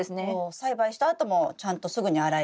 栽培したあともちゃんとすぐに洗えて。